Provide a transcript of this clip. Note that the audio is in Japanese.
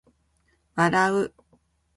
笑う